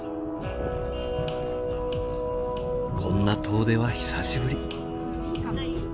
こんな遠出は久しぶり。